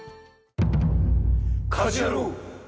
『家事ヤロウ！！！』。